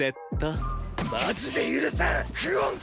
マジで許さん！